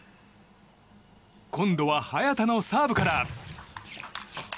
今度は早田のサーブから。